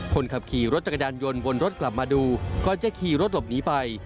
คนขับขี่รถจักรยานยนต์วนรถกลับมาดูก่อนจะขี่รถหลบหนีไป